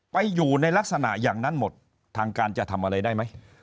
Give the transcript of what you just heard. ไปอยู่ในลักษณะอย่างนั้นหมดทางการจะทำอะไรได้ไหม